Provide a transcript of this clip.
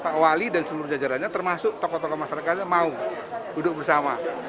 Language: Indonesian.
pak wali dan seluruh jajarannya termasuk tokoh tokoh masyarakatnya mau duduk bersama